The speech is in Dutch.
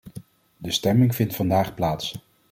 De stemming vindt vandaag plaats.